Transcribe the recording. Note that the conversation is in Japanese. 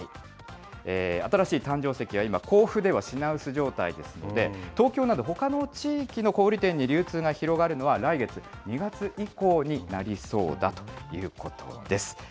新しい誕生石は今、甲府では品薄状態ですので、東京など、ほかの地域の小売り店に流通が広がるのは来月２月以降になりそうだということです。